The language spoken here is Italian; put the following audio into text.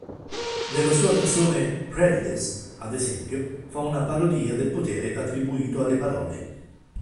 Nella sua canzone "Prejudice", ad esempio, fa una parodia del potere attribuito alle parole.